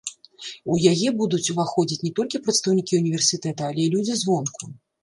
У яе будуць уваходзіць не толькі прадстаўнікі універсітэта, але і людзі звонку.